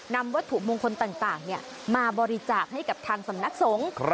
นำวัตถุมงคลต่างมาบริจาคให้กับทางสำนักสงฆ์